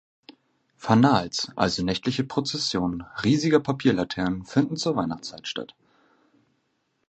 „Fanals“, also nächtliche Prozessionen riesiger Papierlaternen, finden zur Weihnachtszeit statt.